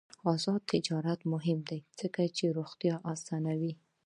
آزاد تجارت مهم دی ځکه چې روغتیا اسانوي.